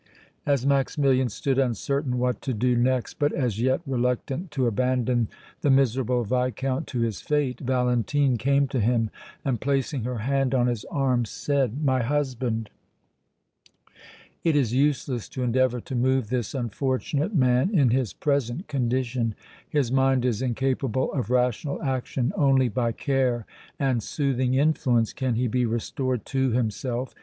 As Maximilian stood uncertain what to do next, but as yet reluctant to abandon the miserable Viscount to his fate, Valentine came to him and, placing her hand on his arm, said: "My husband, it is useless to endeavor to move this unfortunate man in his present condition; his mind is incapable of rational action. Only by care and soothing influence can he be restored to himself.